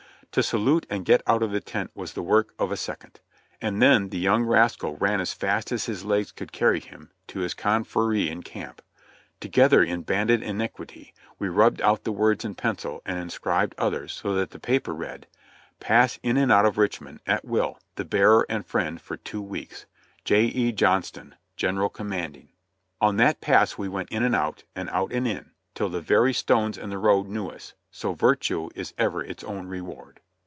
To salute and get out of the tent was the work of a second; and then the young rascal ran as fast as his legs could carry him to his confrere in camp. Together in banded iniquity, we rubbed out the words in pencil and inscribed others, so that the paper read : "Pass in and out of Richmond, at will, the bearer and friend for two weeks. "J, E. Johnston, "General Commanding." On that pass we went in and out, and out and in, till the very stones in the road knew us; so virtue is ever its own reward.